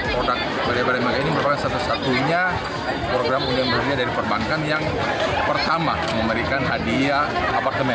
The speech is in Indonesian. produk meriah bareng mega ini merupakan satu satunya program undang undang dari perbankan yang pertama memberikan hadiah apartemen